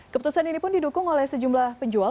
keputusan ini pun didukung oleh sejumlah penjual